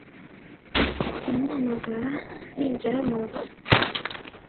Ndamuhamagara ningera murugo tuvugane.